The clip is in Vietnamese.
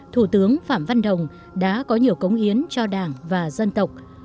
thủ tướng phạm văn đồng đã có nhiều cống hiến cho đảng và dân tộc